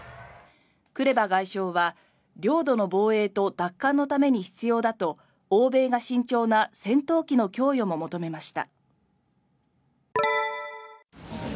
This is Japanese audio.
クレバ外相は、領土の防衛と奪還のために必要だと欧米が慎重な戦闘機の供与も求めました。